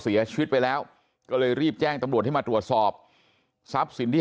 เสียชีวิตไปแล้วก็เลยรีบแจ้งตำรวจให้มาตรวจสอบทรัพย์สินที่